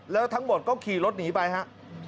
แล้วทั้งหมดก็ขี่รถหนีไปครับ